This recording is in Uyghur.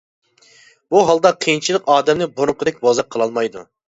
بۇ ھالدا قىيىنچىلىق ئادەمنى بۇرۇنقىدەك بوزەك قىلالمايدۇ.